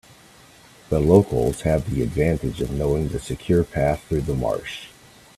The locals had the advantage of knowing the secure path through the marsh.